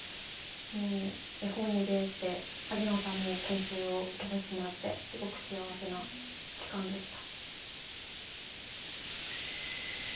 もう絵本に出会えて萩野さんに研修を受けさせてもらってすごく幸せな期間でした。